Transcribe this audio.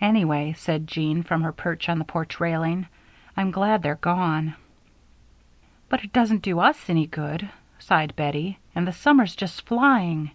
"Anyway," said Jean, from her perch on the porch railing, "I'm glad they're gone." "But it doesn't do us any good," sighed Bettie. "And the summer's just flying."